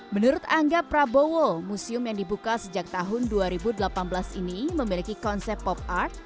menurut angga prabowo museum yang dibuka sejak tahun dua ribu delapan belas ini memiliki konsep pop art